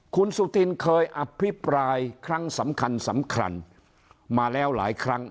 คุณสุธินเคยอภิปรายครั้งสำคัญสำคัญมาแล้วหลายครั้ง